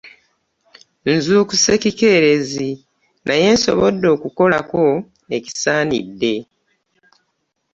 Nzuukuse kikeerezi naye nsobodde okukolako ekisaanidde.